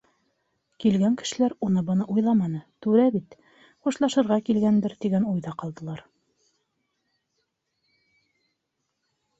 Килгән кешеләр уны-быны уйламаны, түрә бит, хушлашырға килгәндер, тигән уйҙа ҡалдылар.